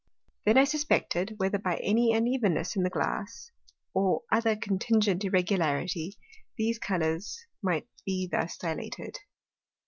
Then I suspected, whether by any unevenness in the Glass, or other contingent Irregularity, these Colours might be thus dilated.